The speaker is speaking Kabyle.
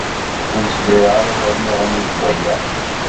Ur zmireɣ ara ad rnuɣ nnig n waya.